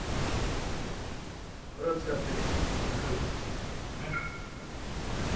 これをつかってねはかるから。ね。